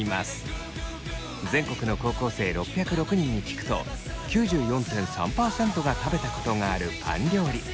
全国の高校生６０６人に聞くと９４．３％が食べたことがあるパン料理。